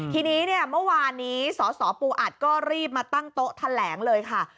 ทีนี้เนี่ยเมื่อวานนี้สสปูอัดก็รีบมาตั้งโต๊ะแถลงเลยค่ะ